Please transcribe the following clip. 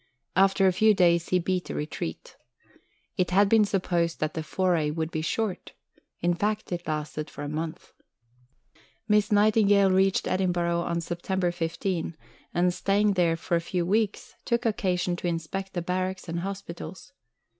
After a few days he beat a retreat. It had been supposed that the "foray" would be short. In fact it lasted for a month. Miss Nightingale reached Edinburgh on September 15, and, staying there a few days, took occasion to inspect the barracks and hospitals.